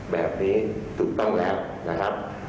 แบบนี้ถูกต้องแล้วนะครับ